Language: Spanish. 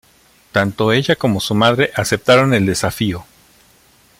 Tanto ella como su madre aceptaron el desafío.